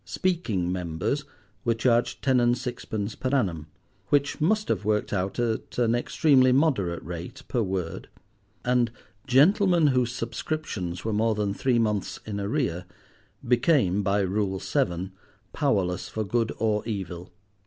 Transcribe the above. "Speaking members" were charged ten and sixpence per annum, which must have worked out at an extremely moderate rate per word; and "gentlemen whose subscriptions were more than three months in arrear," became, by Rule seven, powerless for good or evil.